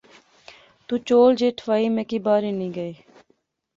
تو چول جئے ٹھوائی میں کی بہار ہنی گئے